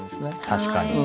確かに。